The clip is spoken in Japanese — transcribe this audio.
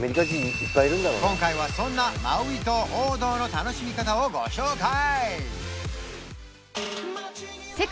今回はそんなマウイ島王道の楽しみ方をご紹介！